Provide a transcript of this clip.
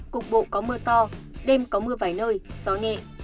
cục bộ có mưa to đêm có mưa vài nơi gió nhẹ